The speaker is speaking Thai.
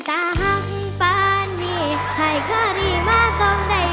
ทั้งป่านนี้ไห้ก็ดีมาตรงใด